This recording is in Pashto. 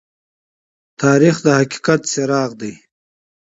تاریخ د حقیقت څراغ دى.